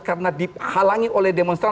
karena dihalangi oleh demonstrasi